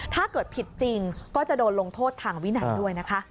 ถ้าเกิดผิดจริงก็จะโดนลงโทษทางวินัยด้วยนะคะ